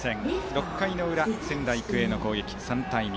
６回の裏仙台育英の攻撃、３対２。